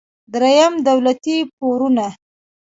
دریم: دولتي پورونه.